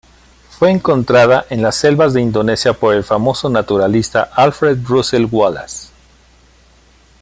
Fue encontrada en las selvas de Indonesia por el famoso naturalista Alfred Russel Wallace.